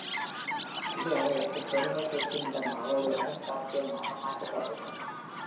இது அவருக்குப் பெருமைசேர்க்கும் விதமாக ஒரு அருங்காட்சியகமாக மாற்றப்பட்டுள்ளது.